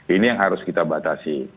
ini yang harus kita batasi